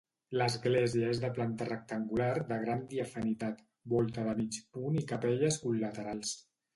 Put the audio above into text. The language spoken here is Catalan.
L'església és de planta rectangular de gran diafanitat, volta de mig punt i capelles col·laterals.